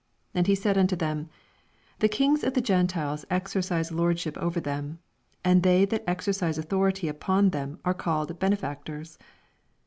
25 And he said nnto them, The kings of the Gentiles exercise lordship over them ; and they that exercise authority upon them are called bene factors.